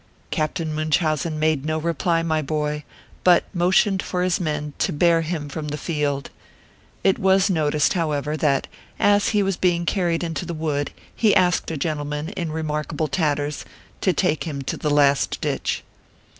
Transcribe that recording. Captain Munchausen made no reply, my boy, but motioned for his men to bear him from the field. It was noticed however, that, as he was being carried into the wood, he asked a gentleman in remarkable tatters, to take him to the last ditch.